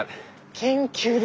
研究です。